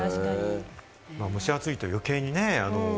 蒸し暑いと余計にね。